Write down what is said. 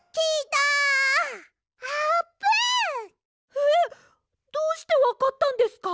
えっどうしてわかったんですか？